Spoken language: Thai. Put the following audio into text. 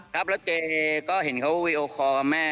ครับแล้วเจ๊ก็เห็นว่าเขาวิโอคอค์อ่ะแม่